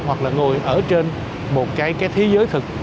hoặc là ngồi ở trên một cái thế giới thực